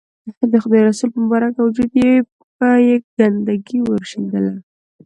د خدای رسول پر مبارک وجود به یې ګندګي ورشیندله.